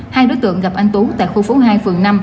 hai đối tượng gặp anh tú tại khu phố hai phường năm